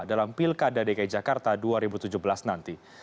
dalam pilkada dki jakarta dua ribu tujuh belas nanti